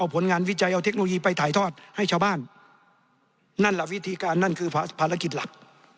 ไปถ่ายทอดให้ชาวบ้านนั่นล่ะวิธีการนั่นคือภารกิจหลัก